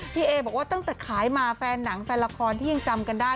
เอบอกว่าตั้งแต่ขายมาแฟนหนังแฟนละครที่ยังจำกันได้